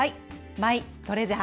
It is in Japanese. マイトレジャー。